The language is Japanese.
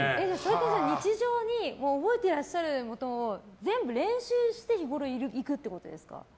日常的に覚えてらっしゃることを全部練習して、日ごろ行くってことですか？